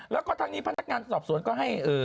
แล้วก็ทั้งนี้พนักงานสอบสวนก็ให้